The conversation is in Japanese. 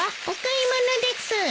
お買い物です。